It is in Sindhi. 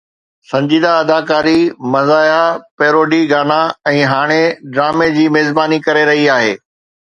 سنجيده اداڪاري مزاحيه پيروڊي گانا ۽ هاڻي ڊرامي جي ميزباني ڪري رهي آهي.